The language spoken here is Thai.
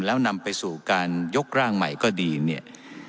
แล้วนำไปสู่การยกร่างใหม่ก็ดีเนี่ย